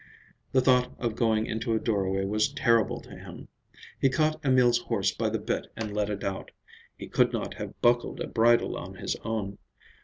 The thought of going into a doorway was terrible to him. He caught Emil's horse by the bit and led it out. He could not have buckled a bridle on his own.